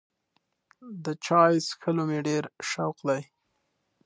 د چای څښلو مې ډېر شوق دی.